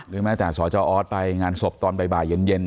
ลืมด้านสอจออทไปงานศพตอนบ่ายบ่ายเย็น